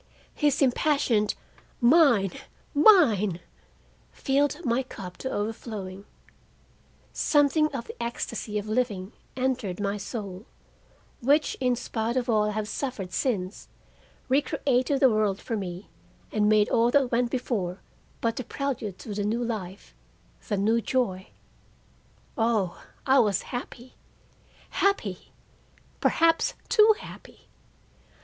His impassioned "Mine! mine!" filled my cup to overflowing. Something of the ecstasy of living entered my soul; which, in spite of all I have suffered since, recreated the world for me and made all that went before but the prelude to the new life, the new joy. Oh, I was happy, happy, perhaps too happy!